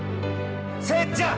せっちゃん！